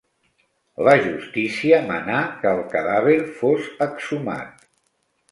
La justícia manà que el cadàver fos exhumat.